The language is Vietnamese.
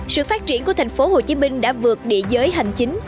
sự phát triển của thành phố hồ chí minh đã vượt địa giới hành chính